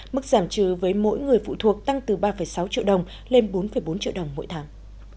mức giảm trừ với mỗi người phụ thuộc tăng từ ba sáu triệu đồng lên bốn bốn triệu đồng mỗi tháng